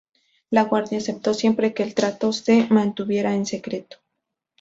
La guardia acepto siempre que el trato se mantuviera en secreto.